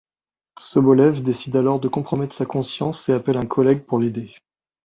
Sobolev décide alors de compromettre sa conscience et appelle un collègue pour l'aider.